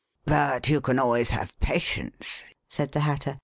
" But you can always have patience," said the Hatter.